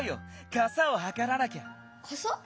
「かさ」をはからなきゃ。